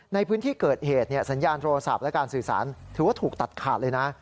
ในพื้นที่เกิดเหตุสัญญาณโทรศัพท์และการสื่อสารถือว่าถูกตัดขาดเลยนะ